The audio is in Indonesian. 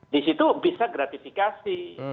di situ bisa gratifikasi